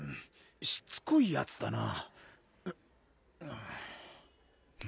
しつこいヤツだな